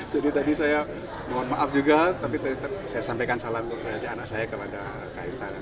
jadi tadi saya mohon maaf juga tapi saya sampaikan salam kepada anak saya kepada kaisar